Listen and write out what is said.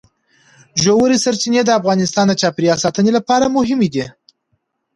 ژورې سرچینې د افغانستان د چاپیریال ساتنې لپاره مهم دي.